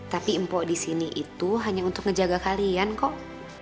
tapi empok disini itu hanya untuk ngejaga kalian kok